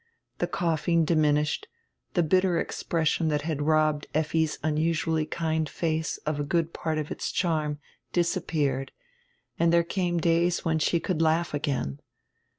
The coughing diminished, die bitter expression diat had robbed Elfi's unusually kind face of a good part of its charm disappeared, and diere came days when she could laugh again.